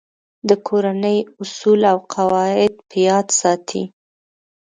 د کورنۍ اصول او قواعد په یاد ساتئ.